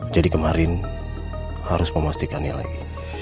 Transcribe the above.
jadi kemarin harus memastikannya lagi